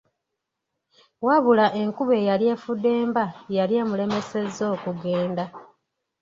Wabula enkuba eyali efudemba yali emulemeseza okugenda.